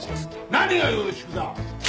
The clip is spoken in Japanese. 何が「よろしく」だ！